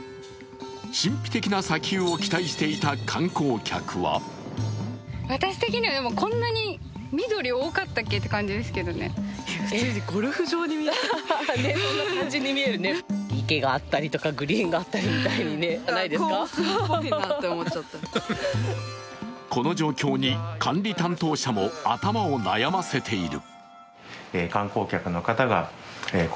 神秘的な砂丘を期待していた観光客はこの状況に、管理担当者も頭を悩ませている。